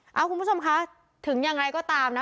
คุณผู้ชมคะถึงยังไงก็ตามนะ